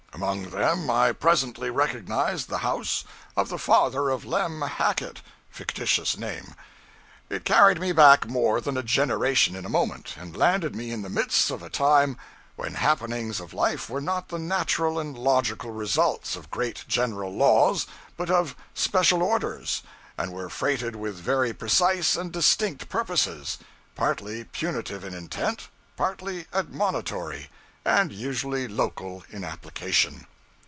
Among them I presently recognized the house of the father of Lem Hackett (fictitious name). It carried me back more than a generation in a moment, and landed me in the midst of a time when the happenings of life were not the natural and logical results of great general laws, but of special orders, and were freighted with very precise and distinct purposes partly punitive in intent, partly admonitory; and usually local in application.